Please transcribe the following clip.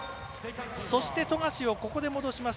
そして、富樫をここで戻します。